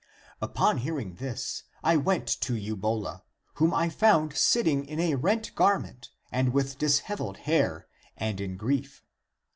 " Upon hearing this, I went to Eubola, whom I found sitting in a rent garment and with dishev eled hair and in grief.